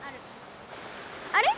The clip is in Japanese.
あれ？